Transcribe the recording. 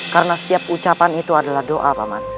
karena setiap ucapan itu adalah doa paman